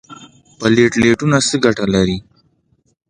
پلیټلیټونه څه ګټه لري؟